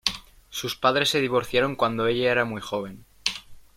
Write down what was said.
Sus padres se divorciaron cuando ella era muy joven.